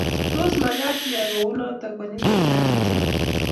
Tos, magaat iyay kunoto konyil chechang ochei?